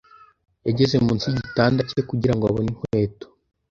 yageze munsi yigitanda cye kugirango abone inkweto.